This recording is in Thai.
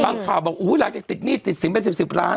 บางข่าวบอกอุ๊ยหลังจากติดหนี้ติดสินไป๑๐ล้าน